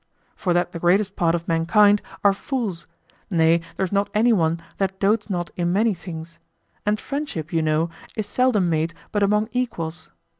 For that the greatest part of mankind are fools, nay there is not anyone that dotes not in many things; and friendship, you know, is seldom made but among equals.